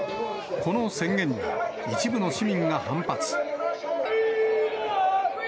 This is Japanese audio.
この宣言に一部の市民が反発。